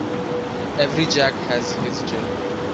Every Jack has his Jill.